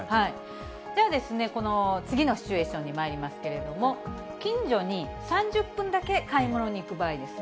じゃあ、この次のシチュエーションにまいりますけれども、近所に３０分だけ買い物に行く場合です。